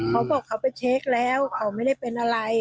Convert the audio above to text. เขาบอกเขาไปเช็คแล้วเขาไม่ได้เป็นอะไร